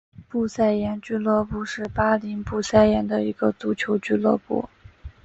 布赛廷俱乐部是巴林布赛廷的一个足球俱乐部。